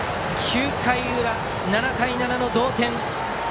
９回裏、７対７の同点。